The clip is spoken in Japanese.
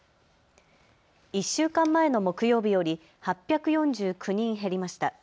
１週間前の木曜日より８４９人減りました。